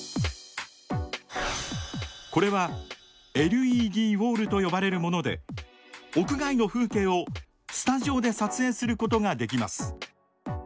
これはＬＥＤウォールと呼ばれるもので屋外の風景をスタジオで撮影することができます。